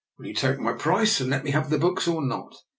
Will you take my price, and let me have the books, or not?